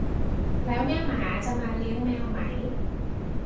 แล้วแม่หมาจะมาเลี้ยงแมวไหม